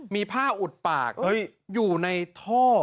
มีผ้าอุดปากอยู่ในท่อ